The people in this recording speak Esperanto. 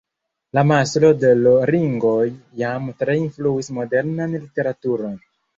La Mastro de l' Ringoj jam tre influis modernan literaturon.